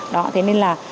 đó thế nên là